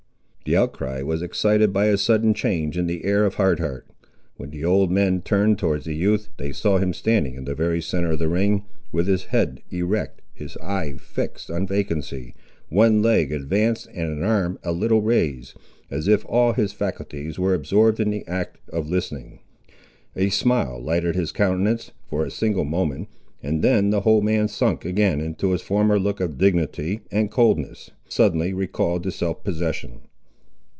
The outcry was excited by a sudden change in the air of Hard Heart. When the old men turned towards the youth, they saw him standing in the very centre of the ring, with his head erect, his eye fixed on vacancy, one leg advanced and an arm a little raised, as if all his faculties were absorbed in the act of listening. A smile lighted his countenance, for a single moment, and then the whole man sunk again into his former look of dignity and coldness, suddenly recalled to self possession.